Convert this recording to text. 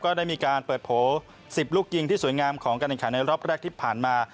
ได้มีการเปิดโผล่๑๐ลูกยิงที่สวยงามของการแข่งขันในรอบแรกที่ผ่านมา